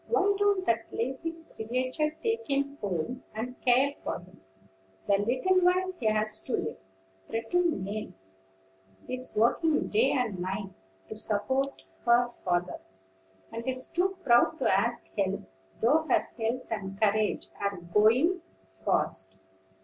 Why don't that lazy creature take him home, and care for him, the little while he has to live? Pretty Nell is working day and night, to support her father, and is too proud to ask help, though her health and courage are going fast.